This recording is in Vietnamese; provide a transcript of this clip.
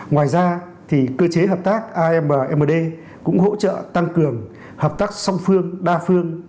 ngoài ra cơ chế hợp tác ammd cũng hỗ trợ tăng cường hợp tác song phương đa phương